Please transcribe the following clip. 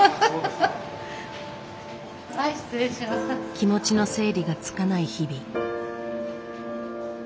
気持ちの整理がつかない日々。